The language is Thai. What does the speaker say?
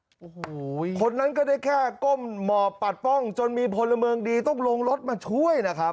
โอ้โหคนนั้นก็ได้แค่ก้มหมอบปัดป้องจนมีพลเมืองดีต้องลงรถมาช่วยนะครับ